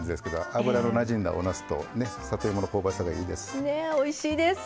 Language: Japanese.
油のなじんだなすと里芋の香ばしさがいいです。